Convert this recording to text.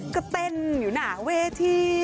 ก็เต้นอยู่หน้าเวที